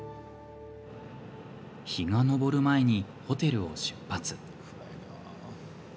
日が昇る前にホテルを出発。